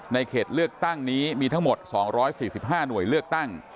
เขตเลือกตั้งนี้มีทั้งหมด๒๔๕หน่วยเลือกตั้ง